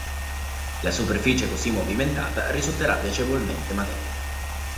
La superficie così movimentata risulterà piacevolmente materica.